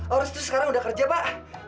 oh restu sekarang udah kerja pak